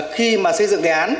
khi mà xây dựng đề án